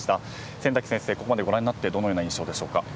先崎先生、ここまでご覧になってどんな印象でしょうか？